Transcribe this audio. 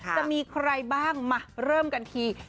จะมีใครบ้างมาเริ่มกันที